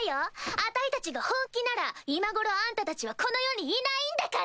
あたいたちが本気なら今頃あんたたちはこの世にいないんだから！